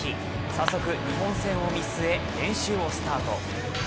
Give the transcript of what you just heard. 早速、日本戦を見据え練習をスタート。